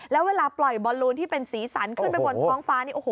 แล้วเวลาปล่อยบอลลูนที่เป็นสีสันขึ้นไปบนท้องฟ้านี่โอ้โห